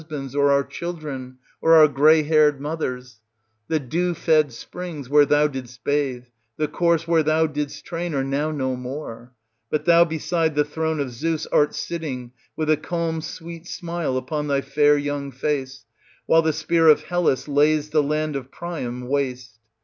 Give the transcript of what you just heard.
249 bands or our children, or our grey haired mothers The dew fed springs where thou didst bathe, the course where thou didst train, are now no more; but thou beside the throne of Zeus art sitting with a calm, sweet smile upon thy fair young face, while the spear of Hellas lays the land of Priam waste.